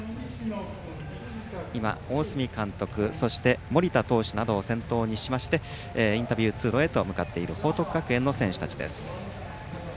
今、大角健二監督盛田投手などを先頭にしましてインタビュー通路へと向かっている報徳学園の選手たちです。